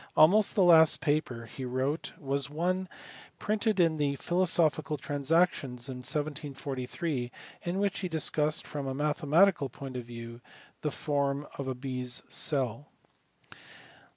Almost the last paper he wrote was one printed in the Philosophical Trans actions for 1743 in which he discussed from a mathematical point of view the form of a bee s cell.